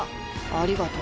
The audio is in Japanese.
ありがと。